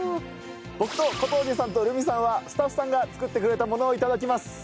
僕と小峠さんと留美さんはスタッフさんが作ってくれたものをいただきます。